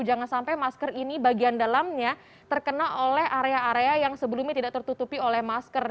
jangan sampai masker ini bagian dalamnya terkena oleh area area yang sebelumnya tidak tertutupi oleh masker